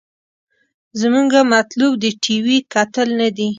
زمونګه مطلوب د ټي وي کتل نه دې.